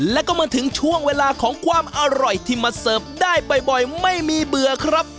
แล้วก็มาถึงช่วงเวลาของความอร่อยที่มาเสิร์ฟได้บ่อยไม่มีเบื่อครับ